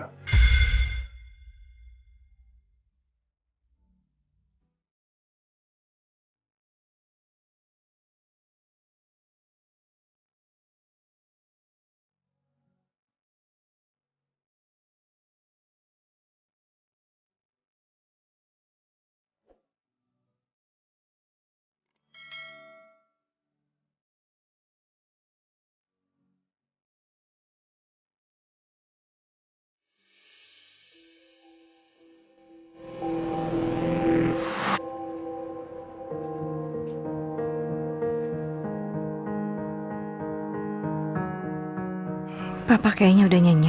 aku pasti akan berjuangkan mereka